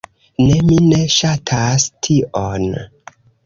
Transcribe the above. Ne! Mi ne ŝatas tion.